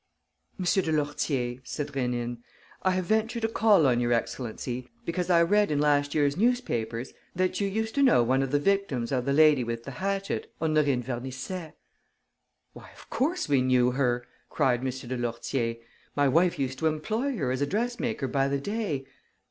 "M. de Lourtier," said Rénine, "I have ventured to call on your excellency because I read in last year's newspapers that you used to know one of the victims of the lady with the hatchet, Honorine Vernisset." "Why, of course we knew her!" cried M. de Lourtier. "My wife used to employ her as a dressmaker by the day.